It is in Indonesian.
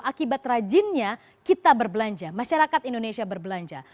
akibat rajinnya kita berbelanja masyarakat indonesia berbelanja